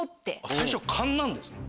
最初勘なんですね。